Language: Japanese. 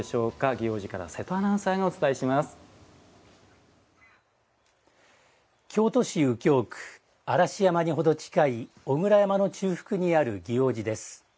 祇王寺から瀬戸アナウンサーが京都市右京区嵐山に程近い小倉山の中腹にある祇王寺です。